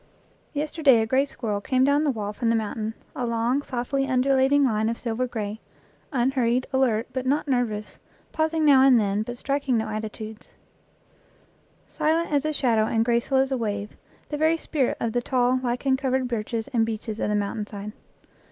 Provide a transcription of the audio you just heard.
Yesterday a gray squirrel came down the wall from the mountain a long, softly undulating line of silver gray; unhurried, alert, but not nervous, pausing now and then, but striking no attitudes; silent as a shadow and graceful as a wave the very spirit of the tall, lichen covered birches and beeches of the mountain side.